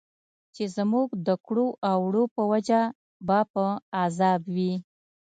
چې زموږ د کړو او وړو په وجه به په عذاب وي.